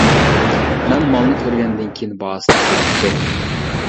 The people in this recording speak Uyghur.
مەن مالنى كۆرگەندىن كېيىن باھاسىنى كېلىشتۇق.